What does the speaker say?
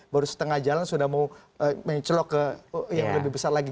baru setengah jalan sudah mau mencelok ke yang lebih besar lagi